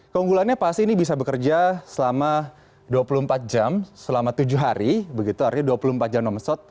keunggulannya pasti ini bisa bekerja selama dua puluh empat jam selama tujuh hari begitu artinya dua puluh empat jam nomesot